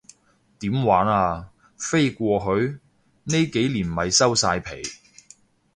點玩啊，飛過去？呢幾年咪收晒皮